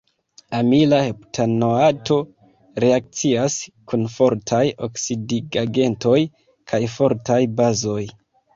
Amila heptanoato reakcias kun fortaj oksidigagentoj kaj fortaj bazoj.